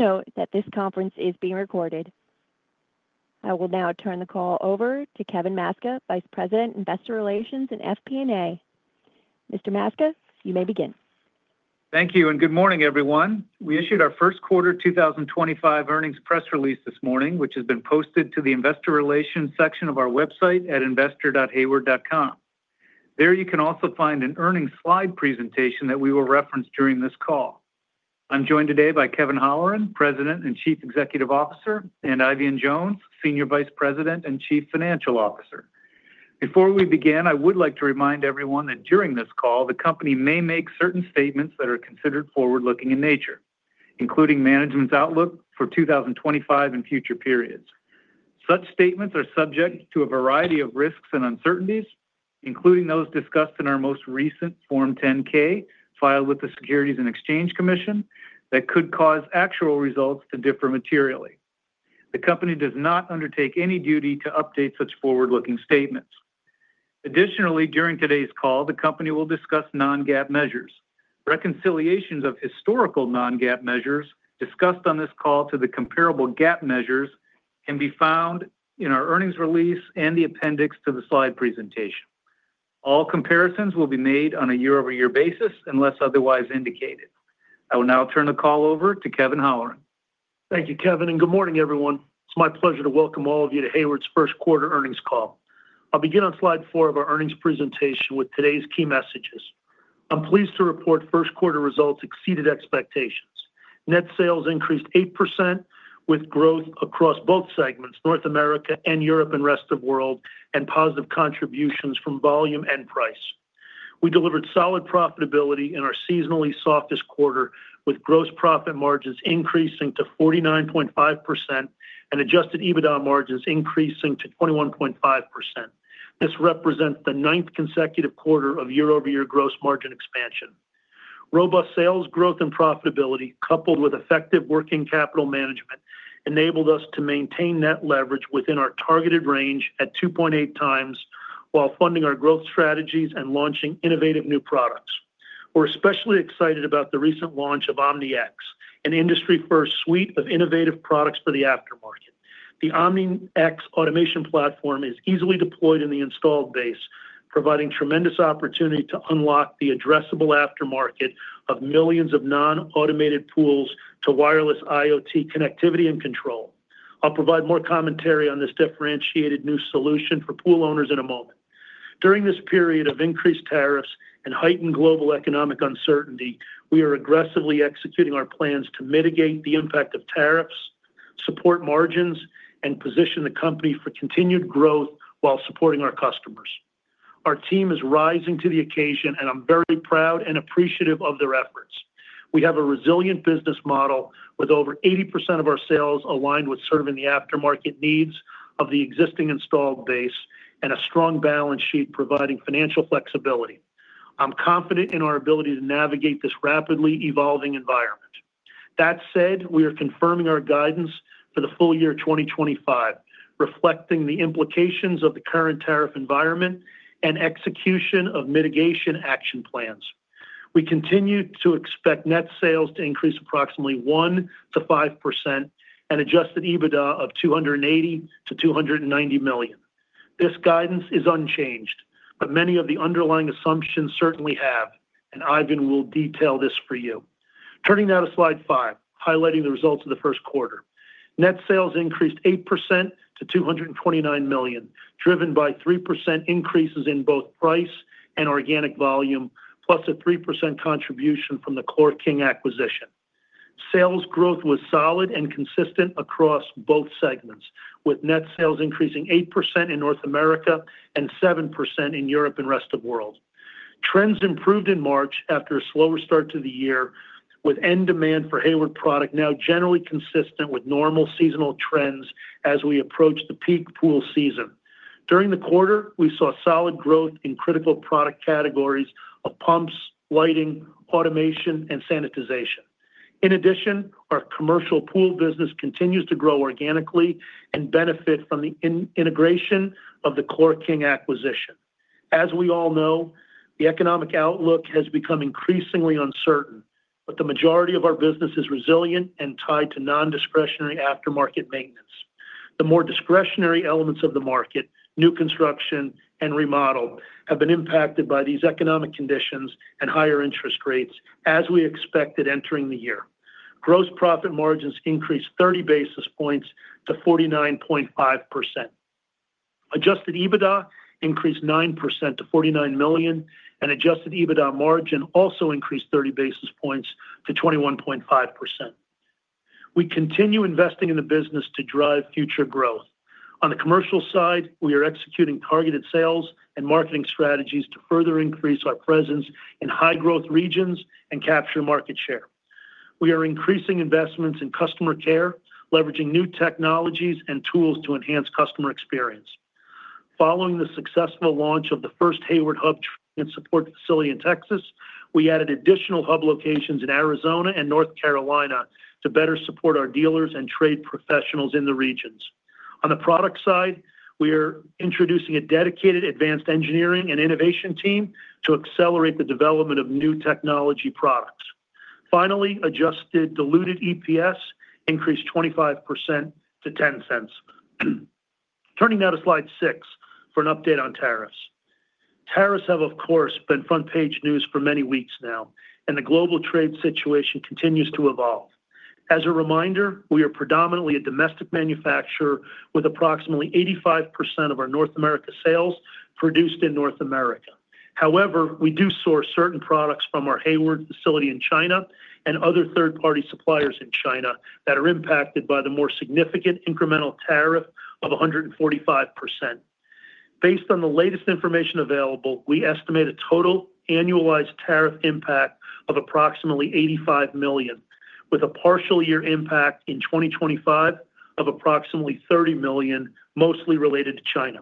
Please note that this conference is being recorded. I will now turn the call over to Kevin Maczka, Vice President, Investor Relations and FP&A. Mr. Maczka, you may begin. Thank you, and good morning, everyone. We issued our first quarter 2025 earnings press release this morning, which has been posted to the Investor Relations section of our website at investor.hayward.com. There you can also find an earnings slide presentation that we will reference during this call. I'm joined today by Kevin Holleran, President and Chief Executive Officer, and Eifion Jones, Senior Vice President and Chief Financial Officer. Before we begin, I would like to remind everyone that during this call, the company may make certain statements that are considered forward-looking in nature, including management's outlook for 2025 and future periods. Such statements are subject to a variety of risks and uncertainties, including those discussed in our most recent Form 10-K filed with the Securities and Exchange Commission that could cause actual results to differ materially. The company does not undertake any duty to update such forward-looking statements. Additionally, during today's call, the company will discuss non-GAAP measures. Reconciliations of historical non-GAAP measures discussed on this call to the comparable GAAP measures can be found in our earnings release and the appendix to the slide presentation. All comparisons will be made on a year-over-year basis unless otherwise indicated. I will now turn the call over to Kevin Holleran. Thank you, Kevin, and good morning, everyone. It's my pleasure to welcome all of you to Hayward's first quarter earnings call. I'll begin on slide four of our earnings presentation with today's key messages. I'm pleased to report first quarter results exceeded expectations. Net sales increased 8% with growth across both segments, North America and Europe and rest of the world, and positive contributions from volume and price. We delivered solid profitability in our seasonally softest quarter, with gross profit margins increasing to 49.5% and adjusted EBITDA margins increasing to 21.5%. This represents the ninth consecutive quarter of year-over-year gross margin expansion. Robust sales growth and profitability, coupled with effective working capital management, enabled us to maintain net leverage within our targeted range at 2.8 times while funding our growth strategies and launching innovative new products. We're especially excited about the recent launch of OmniX, an industry-first suite of innovative products for the aftermarket. The OmniX automation platform is easily deployed in the installed base, providing tremendous opportunity to unlock the addressable aftermarket of millions of non-automated pools to wireless IoT connectivity and control. I'll provide more commentary on this differentiated new solution for pool owners in a moment. During this period of increased tariffs and heightened global economic uncertainty, we are aggressively executing our plans to mitigate the impact of tariffs, support margins, and position the company for continued growth while supporting our customers. Our team is rising to the occasion, and I'm very proud and appreciative of their efforts. We have a resilient business model with over 80% of our sales aligned with serving the aftermarket needs of the existing installed base and a strong balance sheet providing financial flexibility. I'm confident in our ability to navigate this rapidly evolving environment. That said, we are confirming our guidance for the full year 2025, reflecting the implications of the current tariff environment and execution of mitigation action plans. We continue to expect net sales to increase approximately 1%-5% and adjusted EBITDA of $280 million-$290 million. This guidance is unchanged, but many of the underlying assumptions certainly have, and Eifion will detail this for you. Turning now to slide five, highlighting the results of the first quarter, net sales increased 8% to $229 million, driven by 3% increases in both price and organic volume, plus a 3% contribution from the ChlorKing acquisition. Sales growth was solid and consistent across both segments, with net sales increasing 8% in North America and 7% in Europe and rest of the world. Trends improved in March after a slower start to the year, with end demand for Hayward product now generally consistent with normal seasonal trends as we approach the peak pool season. During the quarter, we saw solid growth in critical product categories of pumps, lighting, automation, and sanitization. In addition, our commercial pool business continues to grow organically and benefit from the integration of the ChlorKing acquisition. As we all know, the economic outlook has become increasingly uncertain, but the majority of our business is resilient and tied to non-discretionary aftermarket maintenance. The more discretionary elements of the market, new construction and remodel, have been impacted by these economic conditions and higher interest rates as we expected entering the year. Gross profit margins increased 30 basis points to 49.5%. Adjusted EBITDA increased 9% to $49 million, and adjusted EBITDA margin also increased 30 basis points to 21.5%. We continue investing in the business to drive future growth. On the commercial side, we are executing targeted sales and marketing strategies to further increase our presence in high-growth regions and capture market share. We are increasing investments in customer care, leveraging new technologies and tools to enhance customer experience. Following the successful launch of the first Hayward hub and support facility in Texas, we added additional hub locations in Arizona and North Carolina to better support our dealers and trade professionals in the regions. On the product side, we are introducing a dedicated advanced engineering and innovation team to accelerate the development of new technology products. Finally, adjusted diluted EPS increased 25% to $0.10. Turning now to slide six for an update on tariffs. Tariffs have, of course, been front-page news for many weeks now, and the global trade situation continues to evolve. As a reminder, we are predominantly a domestic manufacturer with approximately 85% of our North America sales produced in North America. However, we do source certain products from our Hayward facility in China and other third-party suppliers in China that are impacted by the more significant incremental tariff of 145%. Based on the latest information available, we estimate a total annualized tariff impact of approximately $85 million, with a partial year impact in 2025 of approximately $30 million, mostly related to China.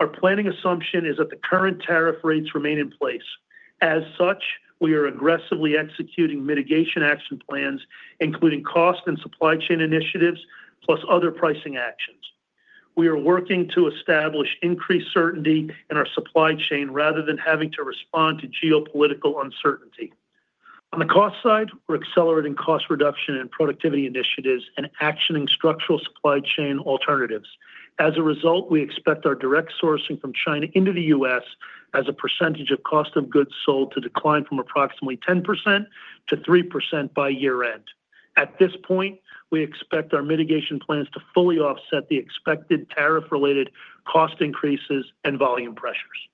Our planning assumption is that the current tariff rates remain in place. As such, we are aggressively executing mitigation action plans, including cost and supply chain initiatives, plus other pricing actions. We are working to establish increased certainty in our supply chain rather than having to respond to geopolitical uncertainty. On the cost side, we're accelerating cost reduction and productivity initiatives and actioning structural supply chain alternatives. As a result, we expect our direct sourcing from China into the U.S. as a percentage of cost of goods sold to decline from approximately 10% to 3% by year-end. At this point, we expect our mitigation plans to fully offset the expected tariff-related cost increases and volume pressures.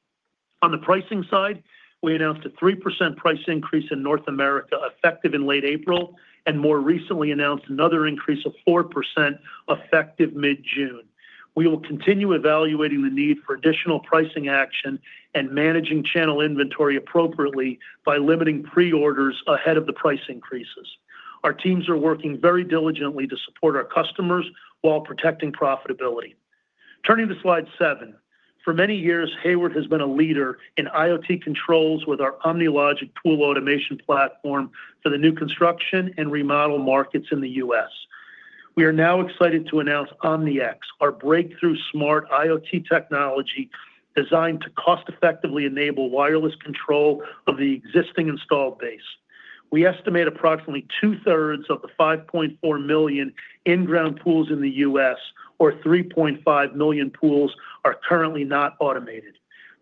On the pricing side, we announced a 3% price increase in North America effective in late April and more recently announced another increase of 4% effective mid-June. We will continue evaluating the need for additional pricing action and managing channel inventory appropriately by limiting pre-orders ahead of the price increases. Our teams are working very diligently to support our customers while protecting profitability. Turning to slide seven, for many years, Hayward has been a leader in IoT controls with our OmniLogic pool automation platform for the new construction and remodel markets in the U.S. We are now excited to announce OmniX, our breakthrough smart IoT technology designed to cost-effectively enable wireless control of the existing installed base. We estimate approximately two-thirds of the 5.4 million in-ground pools in the U.S., or 3.5 million pools, are currently not automated.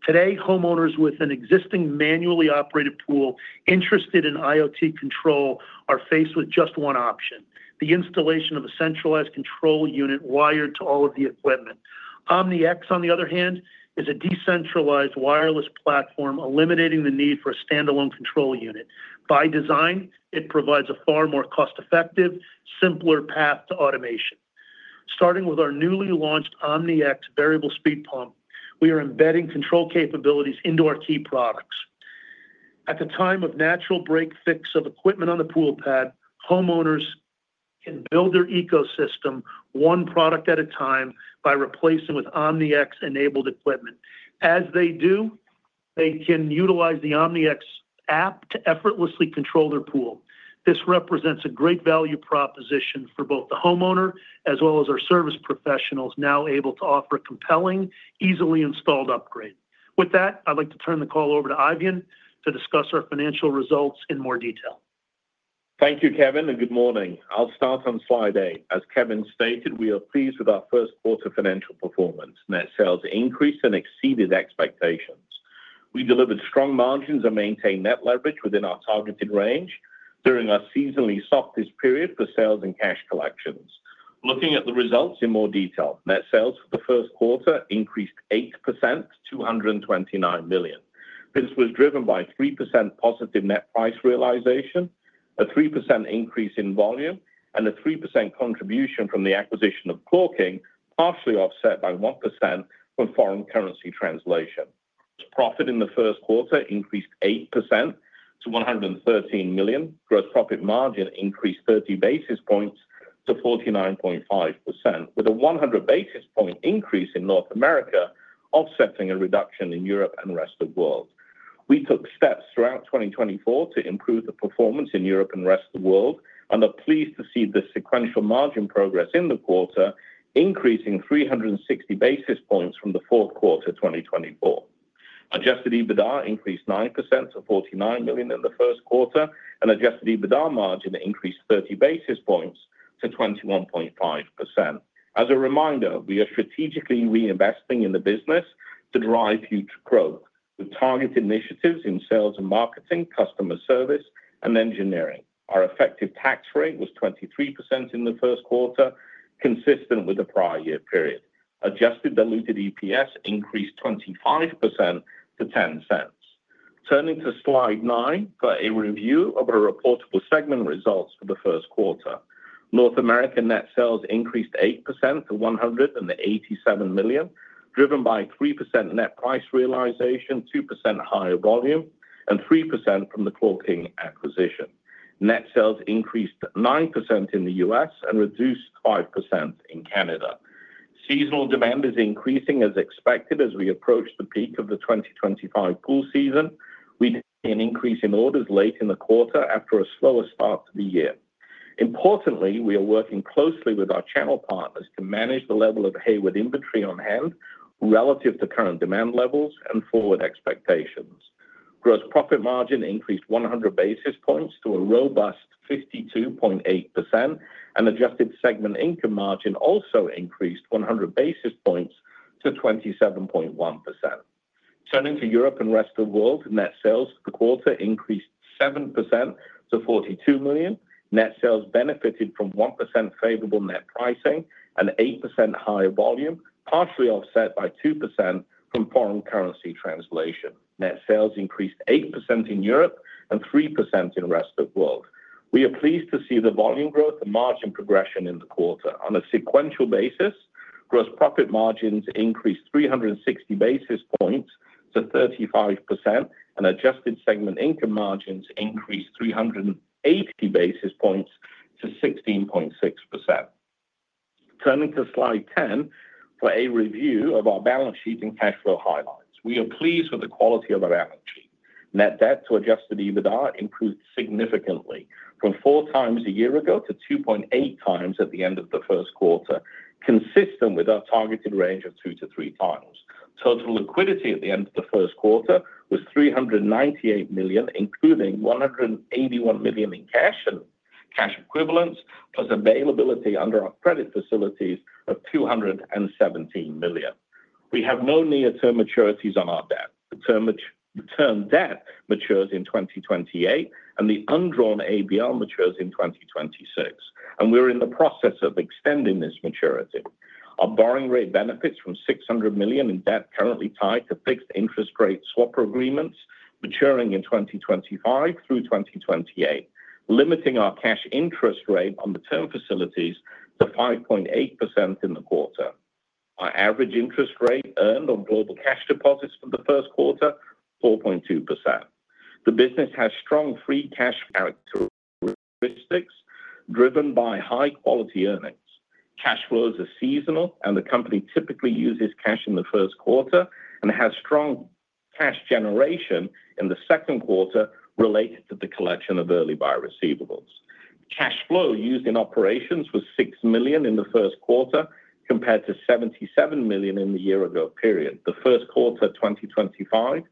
Today, homeowners with an existing manually operated pool interested in IoT control are faced with just one option: the installation of a centralized control unit wired to all of the equipment. OmniX, on the other hand, is a decentralized wireless platform eliminating the need for a standalone control unit. By design, it provides a far more cost-effective, simpler path to automation. Starting with our newly launched OmniX variable speed pump, we are embedding control capabilities into our key products. At the time of natural break fix of equipment on the pool pad, homeowners can build their ecosystem one product at a time by replacing with OmniX-enabled equipment. As they do, they can utilize the OmniX app to effortlessly control their pool. This represents a great value proposition for both the homeowner as well as our service professionals, now able to offer a compelling, easily installed upgrade. With that, I'd like to turn the call over to Eifion to discuss our financial results in more detail. Thank you, Kevin, and good morning. I'll start on slide eight. As Kevin stated, we are pleased with our first quarter financial performance. Net sales increased and exceeded expectations. We delivered strong margins and maintained net leverage within our targeted range during our seasonally softest period for sales and cash collections. Looking at the results in more detail, net sales for the first quarter increased 8% to $229 million. This was driven by 3% positive net price realization, a 3% increase in volume, and a 3% contribution from the acquisition of ChlorKing, partially offset by 1% from foreign currency translation. Profit in the first quarter increased 8% to $113 million. Gross profit margin increased 30 basis points to 49.5%, with a 100 basis point increase in North America, offsetting a reduction in Europe and rest of the world. We took steps throughout 2024 to improve the performance in Europe and rest of the world and are pleased to see the sequential margin progress in the quarter increasing 360 basis points from the fourth quarter 2024. Adjusted EBITDA increased 9% to $49 million in the first quarter, and adjusted EBITDA margin increased 30 basis points to 21.5%. As a reminder, we are strategically reinvesting in the business to drive huge growth with targeted initiatives in sales and marketing, customer service, and engineering. Our effective tax rate was 23% in the first quarter, consistent with the prior year period. Adjusted diluted EPS increased 25% to $0.10. Turning to slide nine for a review of our reportable segment results for the first quarter, North America net sales increased 8% to $187 million, driven by 3% net price realization, 2% higher volume, and 3% from the ChlorKing acquisition. Net sales increased 9% in the U.S. and reduced 5% in Canada. Seasonal demand is increasing as expected as we approach the peak of the 2025 pool season. We did see an increase in orders late in the quarter after a slower start to the year. Importantly, we are working closely with our channel partners to manage the level of Hayward inventory on hand relative to current demand levels and forward expectations. Gross profit margin increased 100 basis points to a robust 52.8%, and adjusted segment income margin also increased 100 basis points to 27.1%. Turning to Europe and rest of the world, net sales for the quarter increased 7% to $42 million. Net sales benefited from 1% favorable net pricing and 8% higher volume, partially offset by 2% from foreign currency translation. Net sales increased 8% in Europe and 3% in rest of the world. We are pleased to see the volume growth and margin progression in the quarter. On a sequential basis, gross profit margins increased 360 basis points to 35%, and adjusted segment income margins increased 380 basis points to 16.6%. Turning to slide 10 for a review of our balance sheet and cash flow highlights. We are pleased with the quality of our balance sheet. Net debt to adjusted EBITDA improved significantly from four times a year ago to 2.8 times at the end of the first quarter, consistent with our targeted range of two to three times. Total liquidity at the end of the first quarter was $398 million, including $181 million in cash and cash equivalents, plus availability under our credit facilities of $217 million. We have no near-term maturities on our debt. The term debt matures in 2028, and the undrawn ABR matures in 2026, and we're in the process of extending this maturity. Our borrowing rate benefits from $600 million in debt currently tied to fixed interest rate swap agreements maturing in 2025 through 2028, limiting our cash interest rate on the term facilities to 5.8% in the quarter. Our average interest rate earned on global cash deposits for the first quarter 4.2%. The business has strong free cash characteristics driven by high-quality earnings. Cash flows are seasonal, and the company typically uses cash in the first quarter and has strong cash generation in the second quarter related to the collection of early buy receivables. Cash flow used in operations was $6 million in the first quarter compared to $77 million in the year-ago period. The first quarter 2025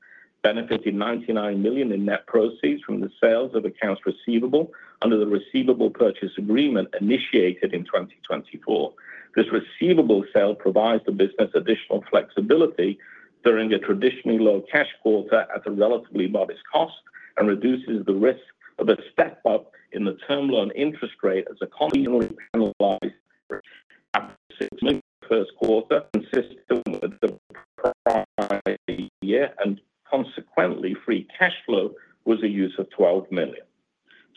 benefited $99 million in net proceeds from the sales of accounts receivable under the receivable purchase agreement initiated in 2024. This receivable sale provides the business additional flexibility during a traditionally low cash quarter at a relatively modest cost and reduces the risk of a step-up in the term loan interest rate as a first quarter, consistent with the prior year, and consequently, free cash flow was a use of $12 million.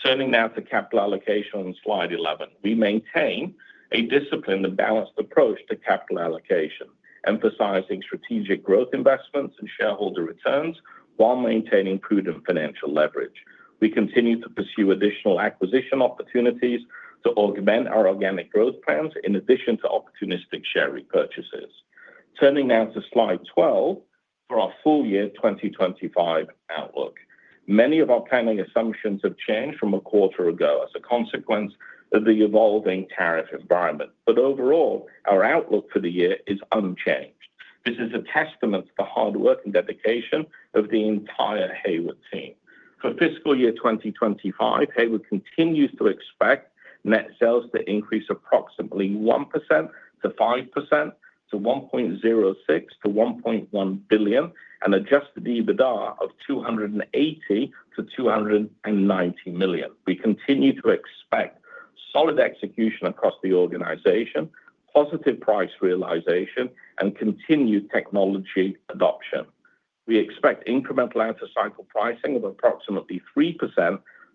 Turning now to capital allocation on slide 11, we maintain a disciplined and balanced approach to capital allocation, emphasizing strategic growth investments and shareholder returns while maintaining prudent financial leverage. We continue to pursue additional acquisition opportunities to augment our organic growth plans in addition to opportunistic share repurchases. Turning now to slide 12 for our full year 2025 outlook. Many of our planning assumptions have changed from a quarter ago as a consequence of the evolving tariff environment, but overall, our outlook for the year is unchanged. This is a testament to the hard work and dedication of the entire Hayward team. For fiscal year 2025, Hayward continues to expect net sales to increase approximately 1%-5% to $1.06 billion-$1.1 billion and adjusted EBITDA of $280 million-$290 million. We continue to expect solid execution across the organization, positive price realization, and continued technology adoption. We expect incremental out-of-cycle pricing of approximately 3%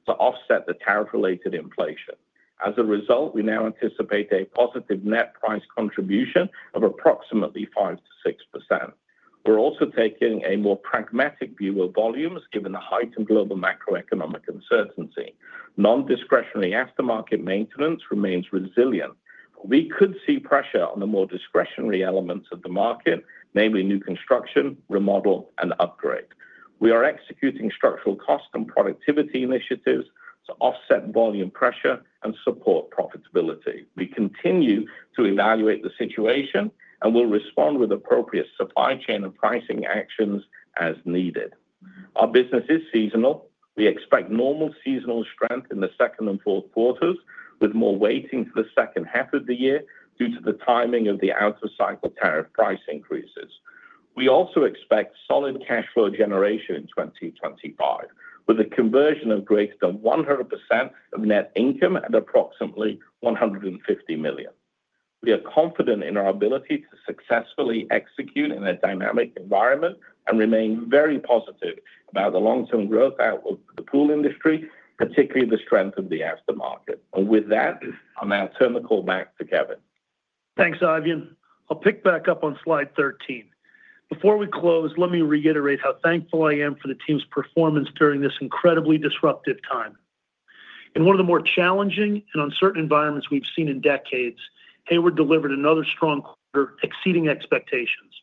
to offset the tariff-related inflation. As a result, we now anticipate a positive net price contribution of approximately 5%-6%. We're also taking a more pragmatic view of volumes given the heightened global macroeconomic uncertainty. Non-discretionary aftermarket maintenance remains resilient. We could see pressure on the more discretionary elements of the market, namely new construction, remodel, and upgrade. We are executing structural cost and productivity initiatives to offset volume pressure and support profitability. We continue to evaluate the situation and will respond with appropriate supply chain and pricing actions as needed. Our business is seasonal. We expect normal seasonal strength in the second and fourth quarters, with more waiting for the second half of the year due to the timing of the out-of-cycle tariff price increases. We also expect solid cash flow generation in 2025, with a conversion of greater than 100% of net income at approximately $150 million. We are confident in our ability to successfully execute in a dynamic environment and remain very positive about the long-term growth outlook for the pool industry, particularly the strength of the aftermarket. With that, I'll now turn the call back to Kevin. Thanks, Eifion. I'll pick back up on slide 13. Before we close, let me reiterate how thankful I am for the team's performance during this incredibly disruptive time. In one of the more challenging and uncertain environments we've seen in decades, Hayward delivered another strong quarter exceeding expectations.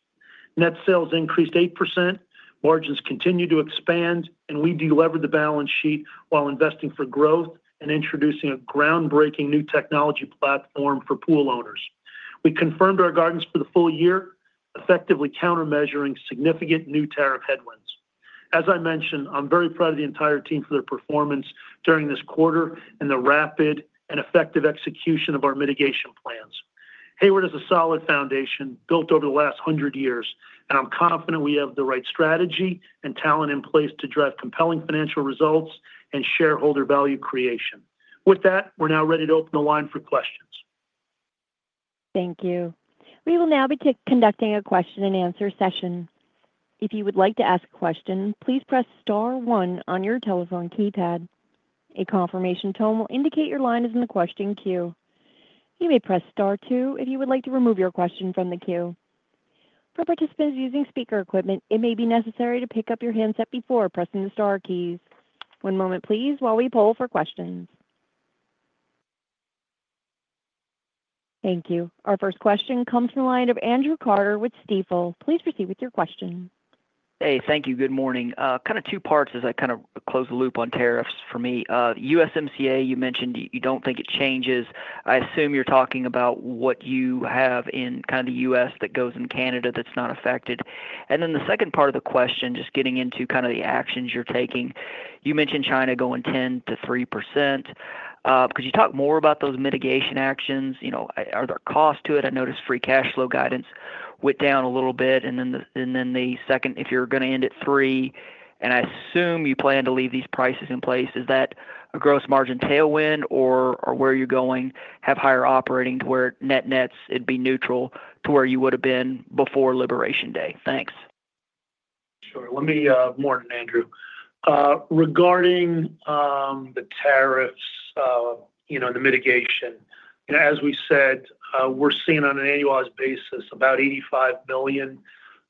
Net sales increased 8%, margins continued to expand, and we delevered the balance sheet while investing for growth and introducing a groundbreaking new technology platform for pool owners. We confirmed our guidance for the full year, effectively countermeasuring significant new tariff headwinds. As I mentioned, I'm very proud of the entire team for their performance during this quarter and the rapid and effective execution of our mitigation plans. Hayward has a solid foundation built over the last 100 years, and I'm confident we have the right strategy and talent in place to drive compelling financial results and shareholder value creation. With that, we're now ready to open the line for questions. Thank you. We will now be conducting a question-and-answer session. If you would like to ask a question, please press star 1 on your telephone keypad. A confirmation tone will indicate your line is in the question queue. You may press star 2 if you would like to remove your question from the queue. For participants using speaker equipment, it may be necessary to pick up your handset before pressing the star keys. One moment, please, while we poll for questions. Thank you. Our first question comes from the line of Andrew Carter with Stifel. Please proceed with your question. Hey, thank you. Good morning. Kind of two parts as I kind of close the loop on tariffs for me. USMCA, you mentioned you don't think it changes. I assume you're talking about what you have in kind of the U.S. that goes in Canada that's not affected. The second part of the question, just getting into kind of the actions you're taking, you mentioned China going 10% to 3%. Could you talk more about those mitigation actions? Are there costs to it? I noticed free cash flow guidance went down a little bit. The second, if you're going to end at 3%, and I assume you plan to leave these prices in place, is that a gross margin tailwind, or where you're going have higher operating to where net nets it'd be neutral to where you would have been before Liberation Day? Thanks. Sure. Let me. Morning Andrew. Regarding the tariffs and the mitigation, as we said, we're seeing on an annualized basis about $85 million.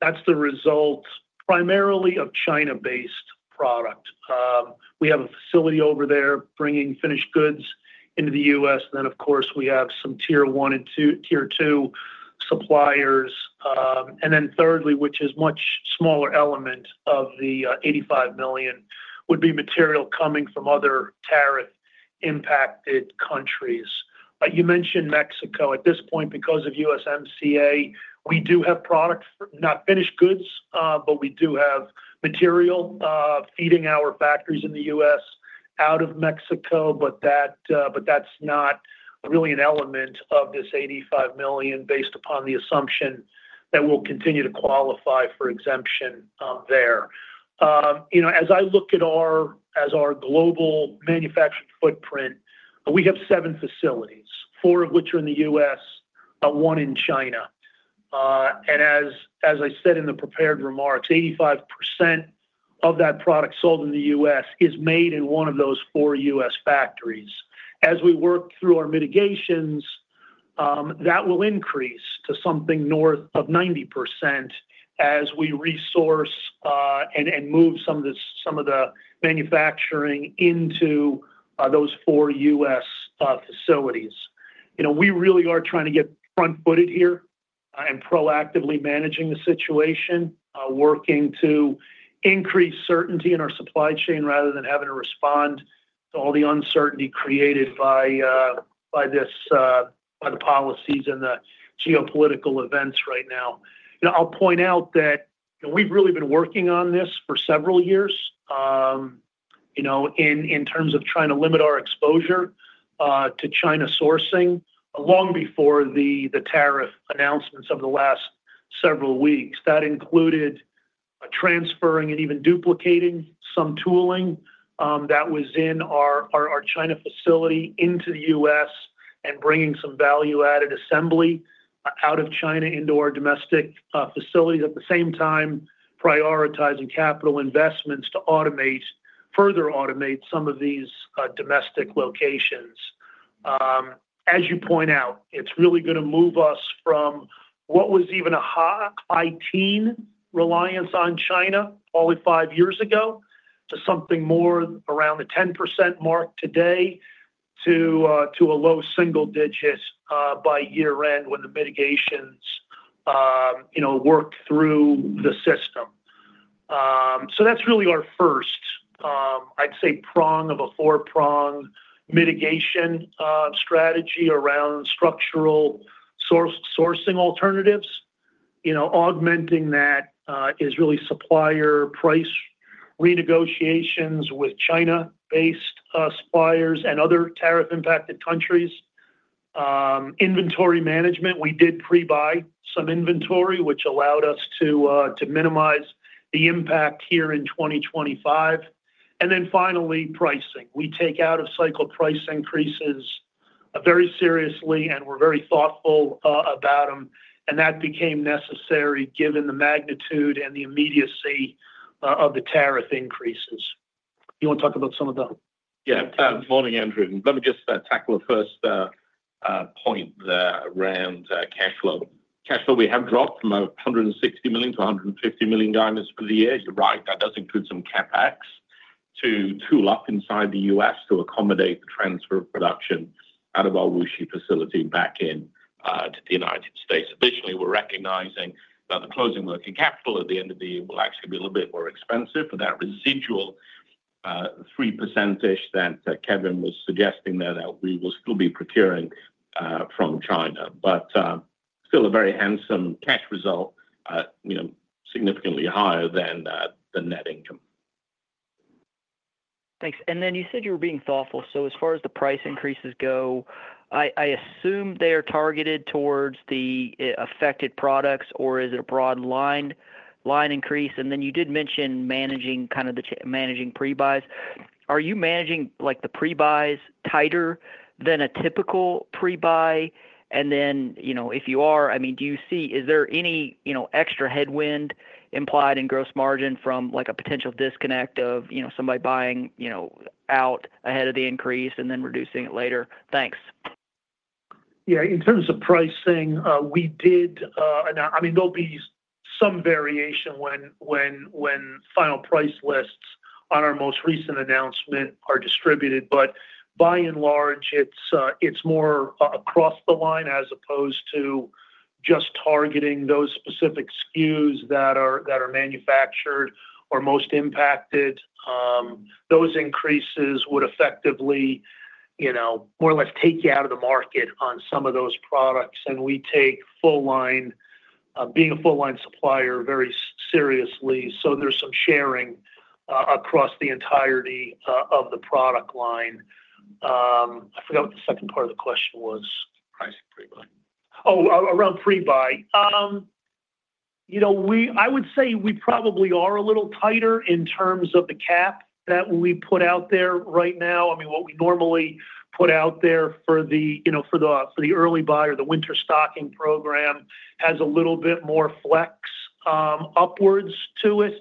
That's the result primarily of China-based product. We have a facility over there bringing finished goods into the U.S. Then, of course, we have some tier one and tier two suppliers. Thirdly, which is a much smaller element of the $85 million, would be material coming from other tariff-impacted countries. You mentioned Mexico. At this point, because of USMCA, we do have product, not finished goods, but we do have material feeding our factories in the U.S. out of Mexico, but that's not really an element of this $85 million based upon the assumption that we'll continue to qualify for exemption there. As I look at our global manufacturing footprint, we have seven facilities, four of which are in the U.S., one in China. As I said in the prepared remarks, 85% of that product sold in the U.S. is made in one of those four U.S. factories. As we work through our mitigations, that will increase to something north of 90% as we resource and move some of the manufacturing into those four U.S. facilities. We really are trying to get front-footed here. I am proactively managing the situation, working to increase certainty in our supply chain rather than having to respond to all the uncertainty created by the policies and the geopolitical events right now. I'll point out that we've really been working on this for several years in terms of trying to limit our exposure to China sourcing long before the tariff announcements of the last several weeks. That included transferring and even duplicating some tooling that was in our China facility into the U.S. and bringing some value-added assembly out of China into our domestic facilities, at the same time, prioritizing capital investments to further automate some of these domestic locations. As you point out, it is really going to move us from what was even a high-teen reliance on China only five years ago to something more around the 10% mark today to a low single digit by year-end when the mitigations work through the system. That is really our first, I would say, prong of a four-prong mitigation strategy around structural sourcing alternatives. Augmenting that is really supplier price renegotiations with China-based suppliers and other tariff-impacted countries. Inventory management, we did pre-buy some inventory, which allowed us to minimize the impact here in 2025. And then finally, pricing, we take out-of-cycle price increases very seriously, and we're very thoughtful about them, and that became necessary given the magnitude and the immediacy of the tariff increases. You want to talk about some of the? Yeah. Morning, Andrew. Let me just tackle the first point there around cash flow. Cash flow we have dropped from $160 million to $150 million guidance for the year. You're right. That does include some CapEx to tool up inside the U.S. to accommodate the transfer of production out of our Wuxi facility back into the United States. Additionally, we're recognizing that the closing work in capital at the end of the year will actually be a little bit more expensive for that residual 3%-ish that Kevin was suggesting there that we will still be procuring from China, but still a very handsome cash result, significantly higher than net income. Thanks. You said you were being thoughtful. As far as the price increases go, I assume they are targeted towards the affected products, or is it a broad line increase? You did mention managing kind of the pre-buys. Are you managing the pre-buys tighter than a typical pre-buy? If you are, I mean, do you see is there any extra headwind implied in gross margin from a potential disconnect of somebody buying out ahead of the increase and then reducing it later? Thanks. Yeah. In terms of pricing, we did, I mean, there'll be some variation when final price lists on our most recent announcement are distributed, but by and large, it's more across the line as opposed to just targeting those specific SKUs that are manufactured or most impacted. Those increases would effectively more or less take you out of the market on some of those products, and we take being a full-line supplier very seriously, so there is some sharing across the entirety of the product line. I forgot what the second part of the question was. Pricing pre-buy. Oh, around pre-buy. I would say we probably are a little tighter in terms of the cap that we put out there right now. I mean, what we normally put out there for the early buy or the winter stocking program has a little bit more flex upwards to it.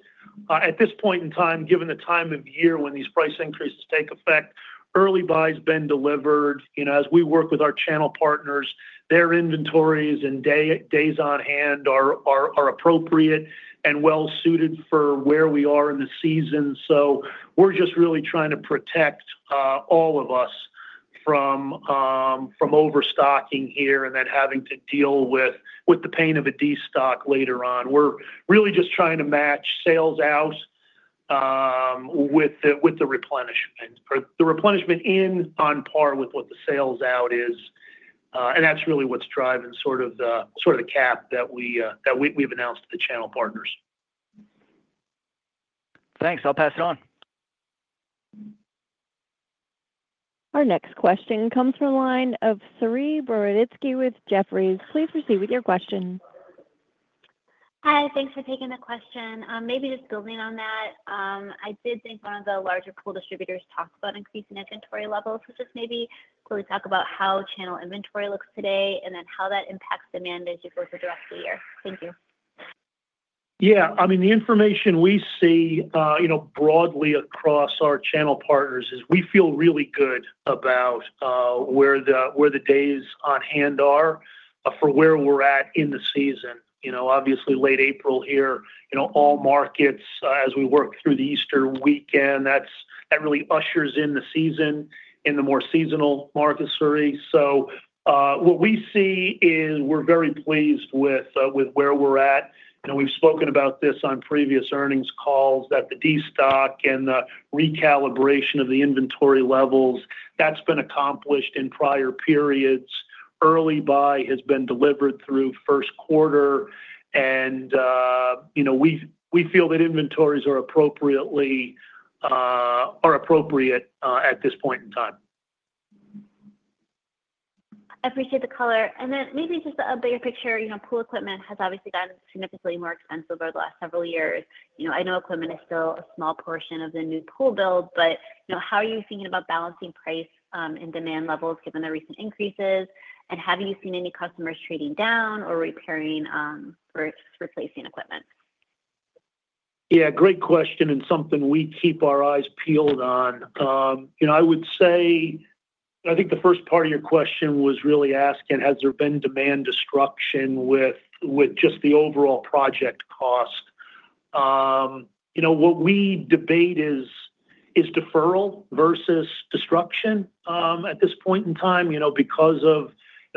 At this point in time, given the time of year when these price increases take effect, early buy has been delivered. As we work with our channel partners, their inventories and days on hand are appropriate and well-suited for where we are in the season. We are just really trying to protect all of us from overstocking here and then having to deal with the pain of a destock later on. We are really just trying to match sales out with the replenishment, the replenishment in on par with what the sales out is, and that is really what is driving sort of the cap that we have announced to the channel partners. Thanks. I'll pass it on. Our next question comes from line of Saree Boroditsky with Jefferies. Please proceed with your question. Hi. Thanks for taking the question. Maybe just building on that, I did think one of the larger pool distributors talked about increasing inventory levels, which is maybe will we talk about how channel inventory looks today and then how that impacts demand as you go through the rest of the year? Thank you. Yeah. I mean, the information we see broadly across our channel partners is we feel really good about where the days on hand are for where we're at in the season. Obviously, late April here, all markets as we work through the Easter weekend, that really ushers in the season in the more seasonal market series. What we see is we're very pleased with where we're at. We've spoken about this on previous earnings calls that the destock and the recalibration of the inventory levels, that's been accomplished in prior periods. Early buy has been delivered through first quarter, and we feel that inventories are appropriate at this point in time. I appreciate the color. Maybe just a bigger picture, pool equipment has obviously gotten significantly more expensive over the last several years. I know equipment is still a small portion of the new pool build, but how are you thinking about balancing price and demand levels given the recent increases? Have you seen any customers trading down or repairing or replacing equipment? Yeah. Great question and something we keep our eyes peeled on. I would say, I think the first part of your question was really asking, has there been demand disruption with just the overall project cost? What we debate is deferral versus disruption at this point in time because of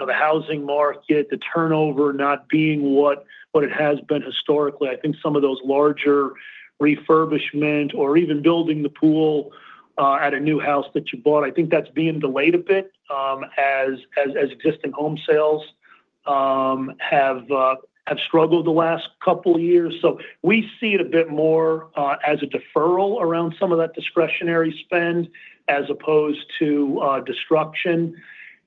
the housing market, the turnover not being what it has been historically. I think some of those larger refurbishment or even building the pool at a new house that you bought, I think that's being delayed a bit as existing home sales have struggled the last couple of years. We see it a bit more as a deferral around some of that discretionary spend as opposed to disruption.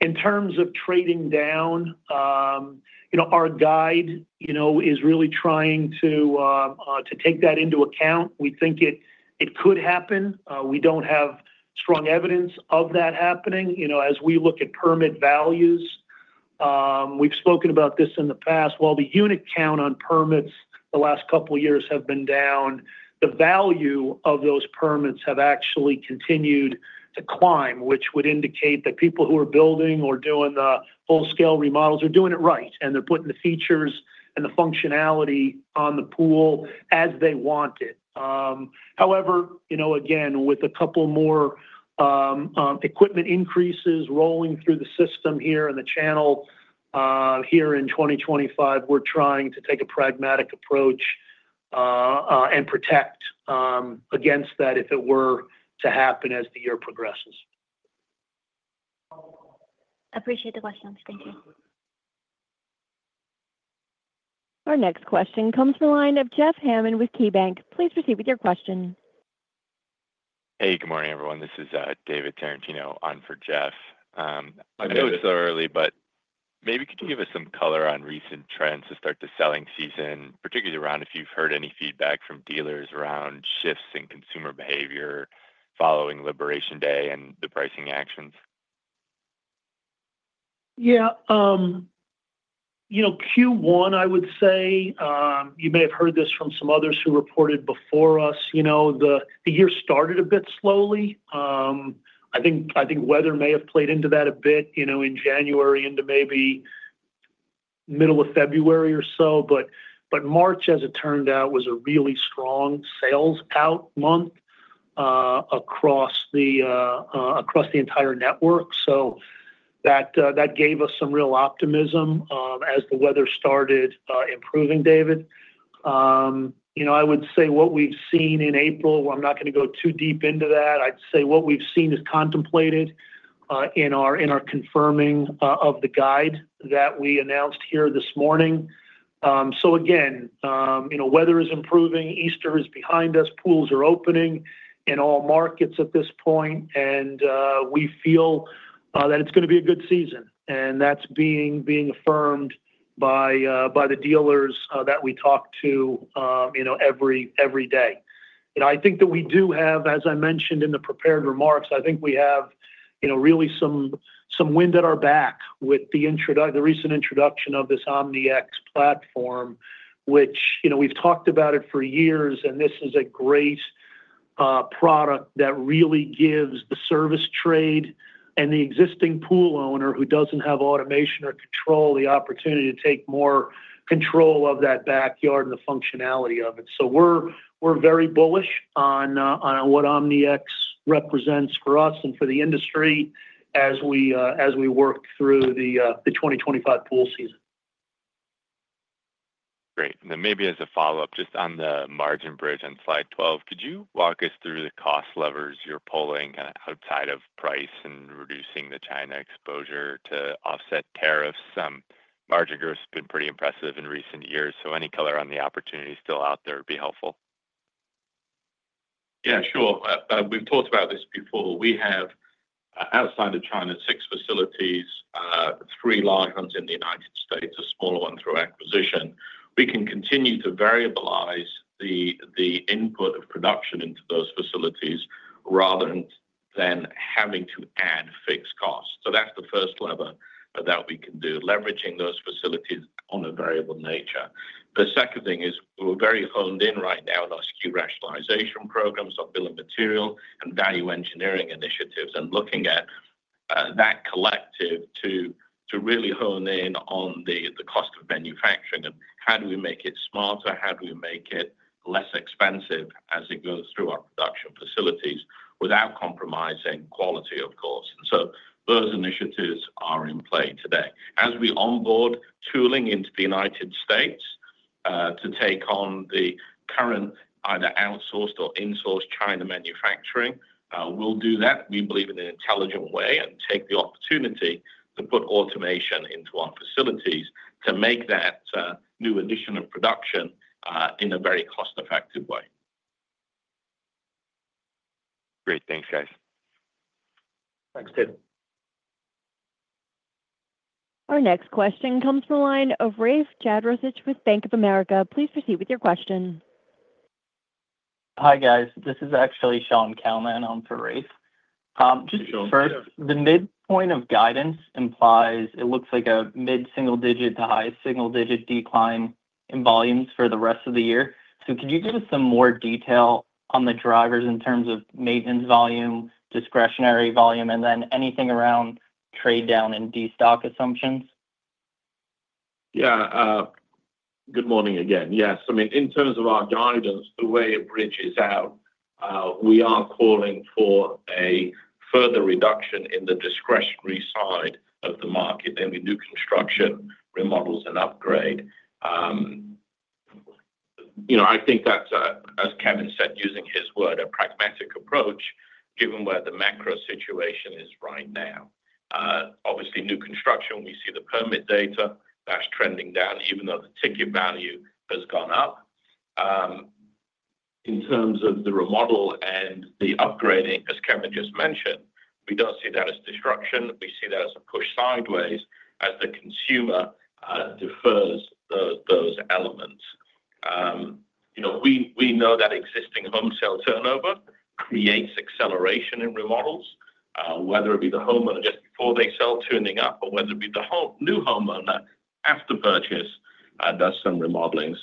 In terms of trading down, our guide is really trying to take that into account. We think it could happen. We don't have strong evidence of that happening. As we look at permit values, we've spoken about this in the past. While the unit count on permits the last couple of years have been down, the value of those permits have actually continued to climb, which would indicate that people who are building or doing the full-scale remodels are doing it right, and they're putting the features and the functionality on the pool as they want it. However, again, with a couple more equipment increases rolling through the system here in the channel here in 2025, we're trying to take a pragmatic approach and protect against that if it were to happen as the year progresses. Appreciate the questions. Thank you. Our next question comes from line of Jeff Hammond with KeyBanc. Please proceed with your question. Hey, good morning, everyone. This is David Tarantino on for Jeff. I know it's so early, but maybe could you give us some color on recent trends to start the selling season, particularly around if you've heard any feedback from dealers around shifts in consumer behavior following Liberation Day and the pricing actions? Yeah. Q1, I would say, you may have heard this from some others who reported before us. The year started a bit slowly. I think weather may have played into that a bit in January into maybe middle of February or so, but March, as it turned out, was a really strong sales out month across the entire network. That gave us some real optimism as the weather started improving, David. I would say what we've seen in April, we're not going to go too deep into that. I'd say what we've seen is contemplated in our confirming of the guide that we announced here this morning, so again, weather is improving. Easter is behind us. Pools are opening in all markets at this point, and we feel that it's going to be a good season, and that's being affirmed by the dealers that we talk to every day. I think that we do have, as I mentioned in the prepared remarks, I think we have really some wind at our back with the recent introduction of this OmniX platform, which we've talked about it for years, and this is a great product that really gives the service trade and the existing pool owner who doesn't have automation or control the opportunity to take more control of that backyard and the functionality of it. We are very bullish on what OmniX represents for us and for the industry as we work through the 2025 pool season. Great. Maybe as a follow-up, just on the margin bridge on slide 12, could you walk us through the cost levers you're pulling kind of outside of price and reducing the China exposure to offset tariffs? Margin growth has been pretty impressive in recent years. Any color on the opportunity still out there would be helpful. Yeah, sure. We've talked about this before. We have, outside of China, six facilities, three large ones in the United States, a smaller one through acquisition. We can continue to variabilize the input of production into those facilities rather than having to add fixed costs. That's the first lever that we can do, leveraging those facilities on a variable nature. The second thing is we're very honed in right now on our SKU rationalization programs, our bill of material, and value engineering initiatives, and looking at that collective to really hone in on the cost of manufacturing and how do we make it smarter, how do we make it less expensive as it goes through our production facilities without compromising quality, of course. Those initiatives are in play today. As we onboard tooling into the United States to take on the current either outsourced or insourced China manufacturing, we will do that. We believe in an intelligent way and take the opportunity to put automation into our facilities to make that new addition of production in a very cost-effective way. Great. Thanks, guys. Thanks, David. Our next question comes from the line of Rafe Jadrosich with Bank of America. Please proceed with your question. Hi, guys. This is actually Sean Colman on for Rafe. Hey, Sean. Just first, the midpoint of guidance implies it looks like a mid-single digit to high single digit decline in volumes for the rest of the year. Could you give us some more detail on the drivers in terms of maintenance volume, discretionary volume, and then anything around trade down and destock assumptions? Yeah. Good morning again. Yes. I mean, in terms of our guidance, the way it bridges out, we are calling for a further reduction in the discretionary side of the market, then we do construction, remodels, and upgrade. I think that's, as Kevin said, using his word, a pragmatic approach given where the macro situation is right now. Obviously, new construction, we see the permit data that's trending down, even though the ticket value has gone up. In terms of the remodel and the upgrading, as Kevin just mentioned, we don't see that as destruction. We see that as a push sideways as the consumer defers those elements. We know that existing home sale turnover creates acceleration in remodels, whether it be the homeowner just before they sell tuning up or whether it be the new homeowner after purchase does some remodeling.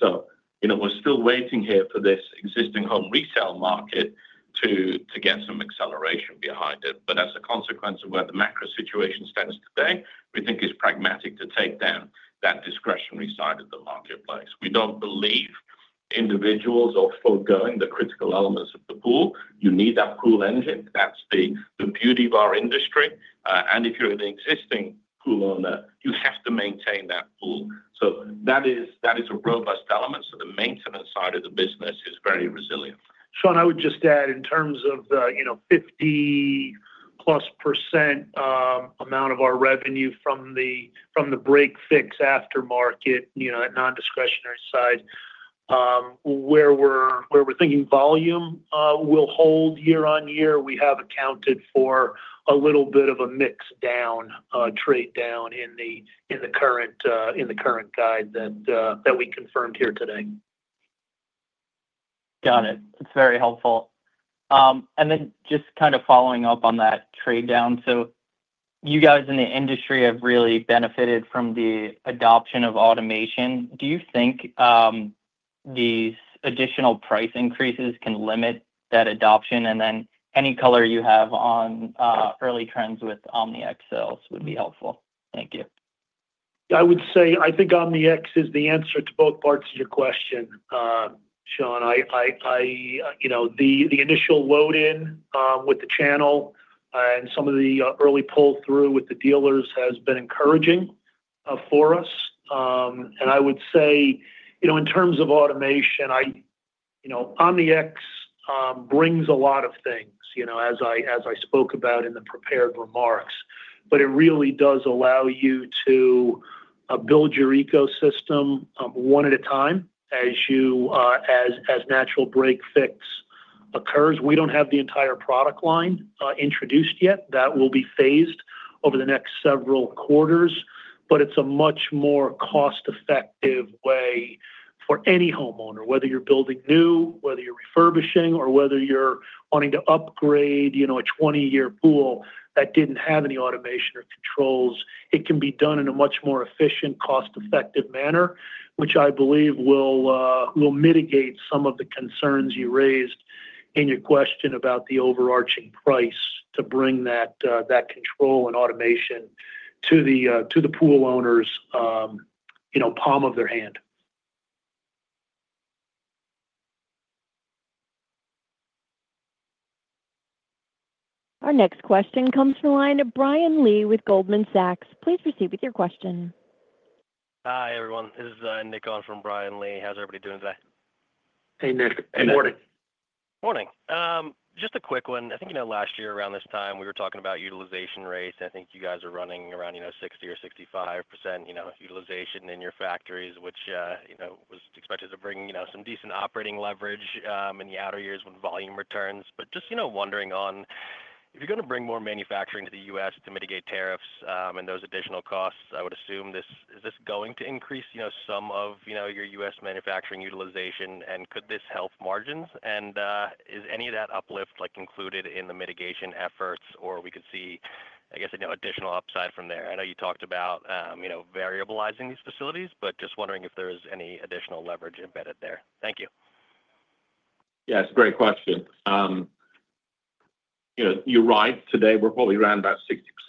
We're still waiting here for this existing home resale market to get some acceleration behind it. As a consequence of where the macro situation stands today, we think it's pragmatic to take down that discretionary side of the marketplace. We don't believe individuals are foregoing the critical elements of the pool. You need that pool engine. That's the beauty of our industry. If you're an existing pool owner, you have to maintain that pool. That is a robust element. The maintenance side of the business is very resilient. Sean, I would just add in terms of the 50%+ amount of our revenue from the break fix aftermarket, that non-discretionary side, where we're thinking volume will hold year on year, we have accounted for a little bit of a mix down, trade down in the current guide that we confirmed here today. Got it. That's very helpful. Just kind of following up on that trade down, you guys in the industry have really benefited from the adoption of automation. Do you think these additional price increases can limit that adoption? Any color you have on early trends with OmniX sales would be helpful. Thank you. I would say I think OmniX is the answer to both parts of your question, Sean. The initial load-in with the channel and some of the early pull-through with the dealers has been encouraging for us. I would say in terms of automation, OmniX brings a lot of things as I spoke about in the prepared remarks, but it really does allow you to build your ecosystem one at a time as natural break fix occurs. We do not have the entire product line introduced yet. That will be phased over the next several quarters, but it is a much more cost-effective way for any homeowner, whether you are building new, whether you are refurbishing, or whether you are wanting to upgrade a 20-year pool that did not have any automation or controls. It can be done in a much more efficient, cost-effective manner, which I believe will mitigate some of the concerns you raised in your question about the overarching price to bring that control and automation to the pool owner's palm of their hand. Our next question comes from the line of Brian Lee with Goldman Sachs. Please proceed with your question. Hi, everyone. This is Nick on for Brian Lee. How's everybody doing today? Hey, Nick. Good morning. Morning. Just a quick one. I think last year around this time, we were talking about utilization rates. I think you guys are running around 60% or 65% utilization in your factories, which was expected to bring some decent operating leverage in the outer years when volume returns. Just wondering on if you're going to bring more manufacturing to the U.S. to mitigate tariffs and those additional costs, I would assume is this going to increase some of your U.S. manufacturing utilization, and could this help margins? Is any of that uplift included in the mitigation efforts, or we could see, I guess, additional upside from there? I know you talked about variabilizing these facilities, just wondering if there is any additional leverage embedded there. Thank you. Yeah, it's a great question. You're right. Today, we're probably around about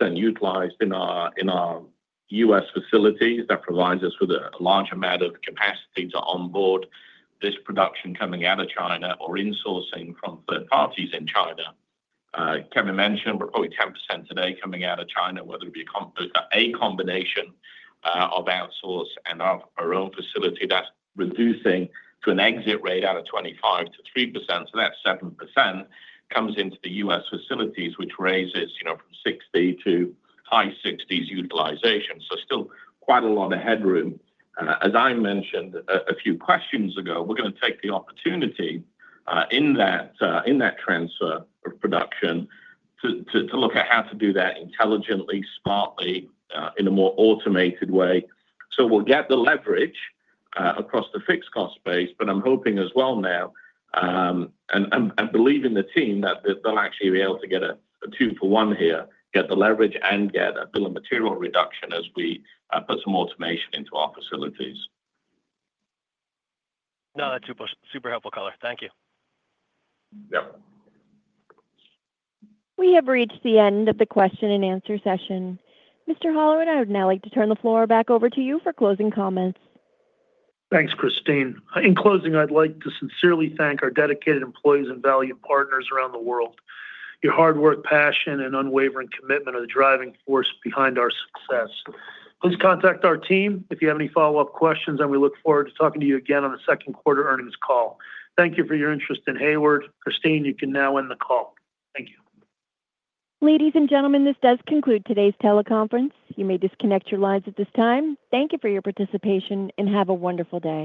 60% utilized in our U.S. facilities. That provides us with a large amount of capacity to onboard this production coming out of China or insourcing from third parties in China. Kevin mentioned we're probably 10% today coming out of China, whether it be a combination of outsource and our own facility. That's reducing to an exit rate out of 2.5% to 3%. That 7% comes into the U.S. facilities, which raises from 60% to high 60s utilization. Still quite a lot of headroom. As I mentioned a few questions ago, we're going to take the opportunity in that transfer of production to look at how to do that intelligently, smartly, in a more automated way. We'll get the leverage across the fixed cost base, but I'm hoping as well now, and believing the team, that they'll actually be able to get a two-for-one here, get the leverage, and get a bill of material reduction as we put some automation into our facilities. No, that's super helpful color. Thank you. Yep. We have reached the end of the question and answer session. Mr. Holleran, I would now like to turn the floor back over to you for closing comments. Thanks, Christine. In closing, I'd like to sincerely thank our dedicated employees and valued partners around the world. Your hard work, passion, and unwavering commitment are the driving force behind our success. Please contact our team if you have any follow-up questions, and we look forward to talking to you again on the second quarter earnings call. Thank you for your interest in Hayward. Christine, you can now end the call. Thank you. Ladies and gentlemen, this does conclude today's teleconference. You may disconnect your lines at this time. Thank you for your participation, and have a wonderful day.